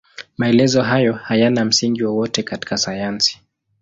Maelezo hayo hayana msingi wowote katika sayansi.